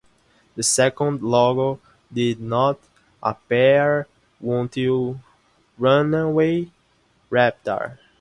The second logo did not appear until "Runaway Reptar".